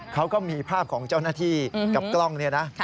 เขาก็มีภาพของเจ้าหน้าที่กับกล้องเนี่ยนะ